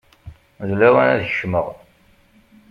D lawan ad kecmeɣ.